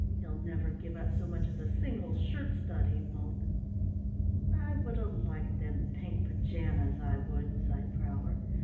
He'll never give up so much as a single shirt stud, he won't." "I would 'a' liked them pink pajamas, I would," sighed Prowler.